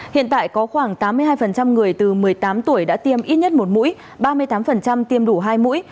hiện tại có khoảng tám mươi hai người từ một mươi tám tuổi đã tiêm ít nhất một mũi ba mươi tám tiêm đủ hai mũi